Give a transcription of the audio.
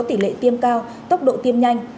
tỷ lệ tiêm cao tốc độ tiêm nhanh